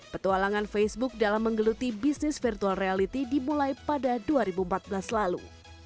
petualangan facebook dalam menggeluti bisnis virtual reality dimulai pada dua ribu empat belas lalu